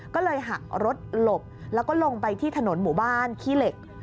ก็เลยหักรถหลบแล้วก็ลงไปที่ถนนหมู่บ้านขี้เหล็ก